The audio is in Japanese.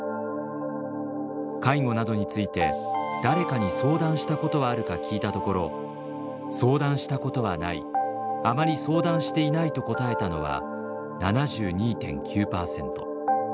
介護などについて誰かに相談したことはあるか聞いたところ「相談したことはない」「あまり相談していない」と答えたのは７２．９％。